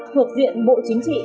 thuộc diện bộ chính trị